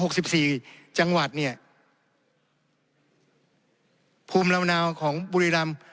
สิบสี่จังหวัดเนี่ยภูมิลำนาวของบุรีรำ